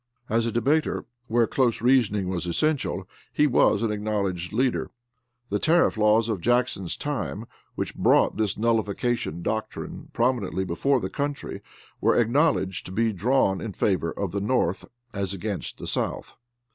As a debater, where close reasoning was essential, he was an acknowledged leader. The tariff laws of Jackson's time which brought this nullification doctrine prominently before the country were acknowledged to be drawn in favor of the North, as against the South.